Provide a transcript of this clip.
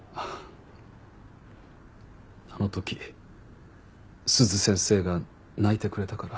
あの時鈴先生が泣いてくれたから。